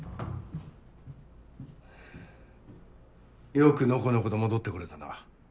よくのこのこと戻って来れたな。